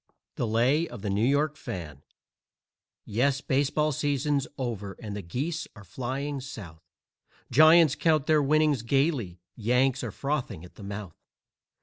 THE LAY OF THE NEW YORK FAN Yes, the baseball season's over and the geese are flying South; Giants count their winnings gaily, Yanks are frothing at the mouth.